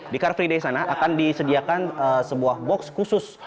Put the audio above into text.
di car free day sana akan disediakan sebuah box khusus